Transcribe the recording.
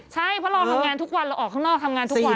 ใช่เพราะเราทำงานทุกวันเราออกข้างนอกทำงานทุกวัน